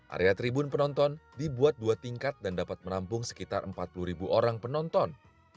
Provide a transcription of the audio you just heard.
area tribun penonton dibuat dua tingkat dan dapat menampung sekitar empat puluh ribu orang penonton